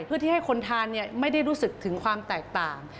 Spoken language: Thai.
เพื่อที่ให้คนทานไม่ได้รู้สึกถึงความแตกต่าง